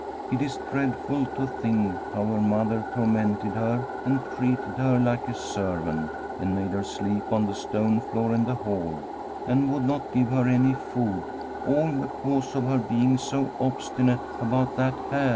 It is dreadful to think how her mother tormented her and treated her like a servant, and made her sleep on the stone floor in the hall, and would not give her any food, all because of her being so obstinate about that hair.